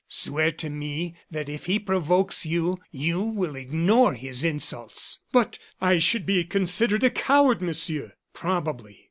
Swear to me that if he provokes you, you will ignore his insults." "But I should be considered a coward, Monsieur!" "Probably.